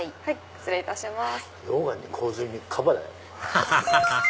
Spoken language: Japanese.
失礼いたします。